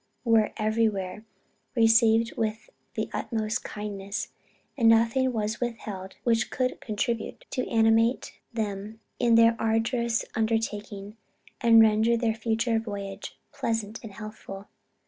were everywhere received with the utmost kindness, and nothing was withheld which could contribute to animate them in their arduous undertaking, and render their future voyage pleasant and healthful.